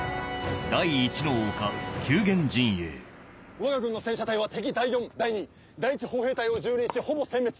わが軍の戦車隊は敵第四第二第一歩兵隊を蹂躙しほぼ殲滅。